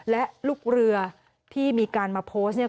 และลูกเรือที่มีการมาโพสต์เนี่ย